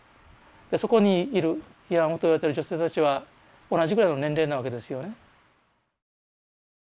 そこにいる慰安婦といわれてる女性たちは同じぐらいの年齢なわけですよね。